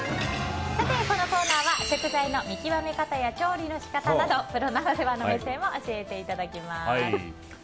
このコーナーは食材の見極め方や調理の仕方などプロならではの目線を教えていただきます。